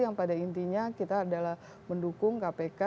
yang pada intinya kita adalah mendukung kpk